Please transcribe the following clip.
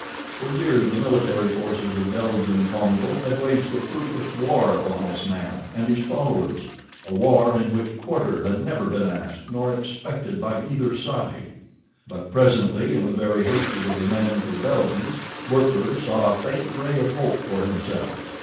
For years the military forces of Belgian Congo had waged a fruitless war upon this man and his followers—a war in which quarter had never been asked nor expected by either side. But presently in the very hatred of the man for Belgians, Werper saw a faint ray of hope for himself.